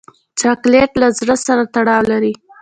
چاکلېټ له زړه سره تړاو لري.